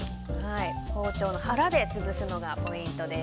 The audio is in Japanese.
包丁の腹で潰すのがポイントです。